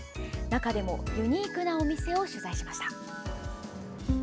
中でもユニークなお店を取材しました。